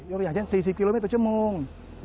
ตัวอย่างเช่น๔๐กิโลเมตรต่อชั่วโมง